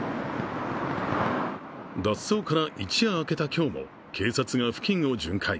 脱走から一夜明けた今日も警察が付近を巡回。